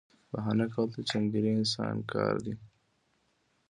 بهانه کول د چمګیره انسان کار دی